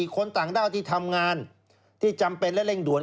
คนต่างด้าวที่ทำงานที่จำเป็นและเร่งด่วน